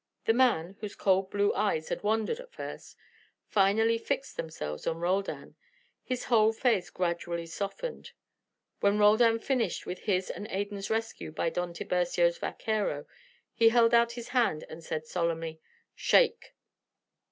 The man, whose cold blue eyes had wandered at first, finally fixed themselves on Roldan; and his whole face gradually softened. When Roldan finished with his and Adan's rescue by Don Tiburcio's vaquero, he held out his hand and said solemnly, "Shake."